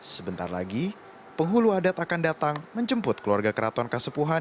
sebentar lagi penghulu adat akan datang menjemput keluarga keraton kasepuhan